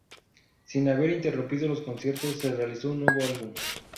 Sin haber interrumpido los conciertos, se realizó un nuevo álbum.